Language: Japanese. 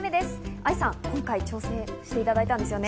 愛さん、今回挑戦していただいたんですよね。